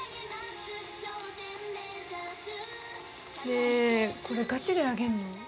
ねえこれガチで上げんの？